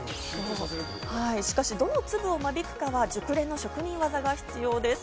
しかしどの粒を間引くかは、熟練の職人技が必要です。